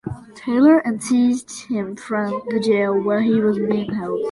Taylor and seized him from the jail where he was being held.